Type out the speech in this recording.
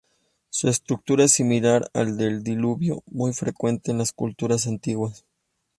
Su estructura es similar al del Diluvio, muy frecuente en las culturas antiguas.